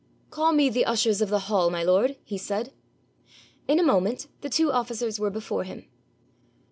'Call me the ushers of the hall, my lord,' he said. In a moment the two officers were before him.